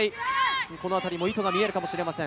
このあたりも意図が見えるかもしれません。